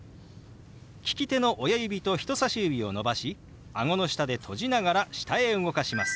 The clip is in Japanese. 利き手の親指と人さし指を伸ばしあごの下で閉じながら下へ動かします。